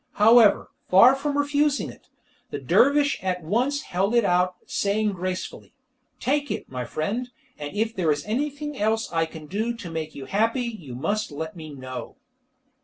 However, far from refusing it, the dervish at once held it out, saying gracefully, "Take it, my friend, and if there is anything else I can do to make you happy you must let me know."